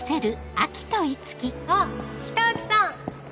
あっ北脇さん！